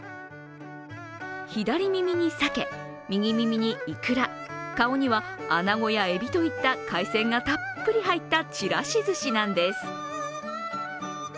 左耳にさけ、右耳にいくら、顔には穴子やえびといった海鮮がたっぷり入ったちらしずしなんです。